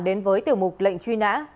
đến với tiểu mục lệnh truy nã